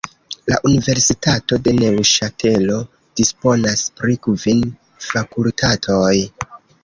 La universitato de Neŭŝatelo disponas pri kvin fakultatoj.